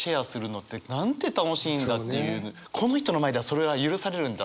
この人の前ではそれは許されるんだ